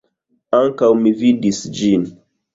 Ankaŭ mi vidis ĝin.